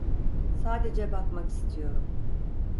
Sadece bakmak istiyorum.